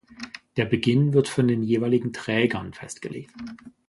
Der Beginn wird von den jeweiligen Trägern festgelegt.